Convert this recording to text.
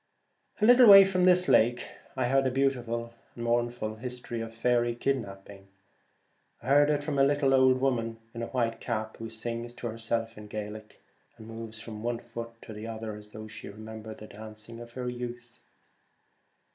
A 122 little way from this lake I heard a Kidnappers. beautiful and mournful history of faery kidnapping. I heard it from a little old woman in a white cap, who sings to herself in Gaelic, and moves from one foot to the other as though she remembered the dancing of her youth.